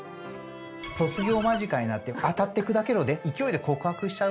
卒業間近になって当たって砕けろで勢いで告白しちゃう。